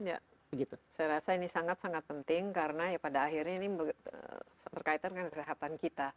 ya saya rasa ini sangat sangat penting karena ya pada akhirnya ini berkaitan dengan kesehatan kita